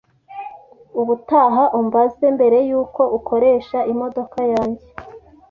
Ubutaha, umbaze mbere yuko ukoresha imodoka yanjye.